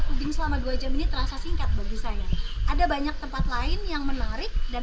puding selama dua jam ini terasa singkat bagi saya ada banyak tempat lain yang menarik dan